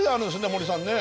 森さんね。